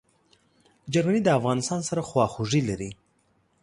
جرمني د افغانستان سره خواخوږي لري.